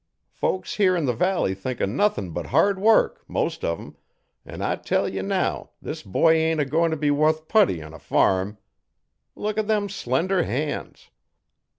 Folks here 'n the valley think o' nuthin' but hard work most uv 'em, an' I tell ye now this boy ain't a goin' t' be wuth putty on a farm. Look a' them slender hands.